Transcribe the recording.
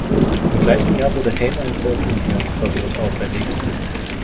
Im gleichen Jahr wurde Heym ein Veröffentlichungsverbot auferlegt.